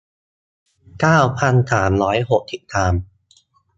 เก้าพันสามร้อยหกสิบสาม